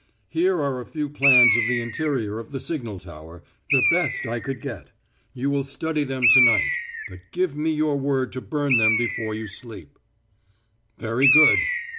"Here are a few plans of the interior of the signal tower the best I could get. You will study them to night; but give me your word to burn them before you sleep." "Very good."